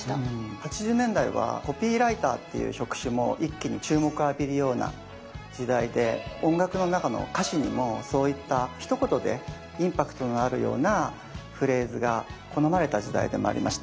８０年代はコピーライターっていう職種も一気に注目を浴びるような時代で音楽の中の歌詞にもそういったひと言でインパクトのあるようなフレーズが好まれた時代でもありました。